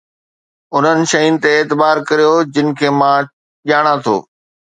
انهن شين تي اعتبار ڪريو جن کي مان ڄاڻان ٿو